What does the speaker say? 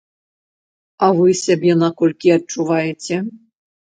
А вы сябе на колькі адчуваеце?